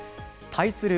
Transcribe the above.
対する